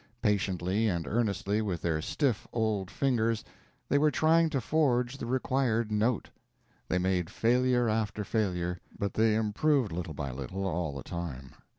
Patiently and earnestly, with their stiff old fingers, they were trying to forge the required note. They made failure after failure, but they improved little by little all the time.